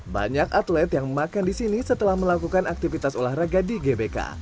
banyak atlet yang makan di sini setelah melakukan aktivitas olahraga di gbk